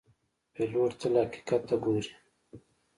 پیلوټ تل حقیقت ته ګوري.